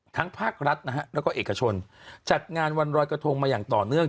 ภาครัฐนะฮะแล้วก็เอกชนจัดงานวันรอยกระทงมาอย่างต่อเนื่อง